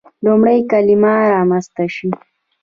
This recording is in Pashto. لومړی کلمه رامنځته شي.